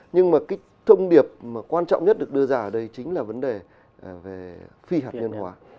nhưng mà cái thông điệp mà quan trọng nhất được đưa ra ở đây chính là vấn đề về phi hạt nhân hóa